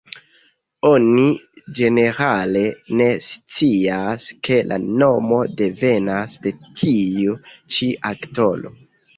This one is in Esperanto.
Oni ĝenerale ne scias, ke la nomo devenas de tiu ĉi aktoro.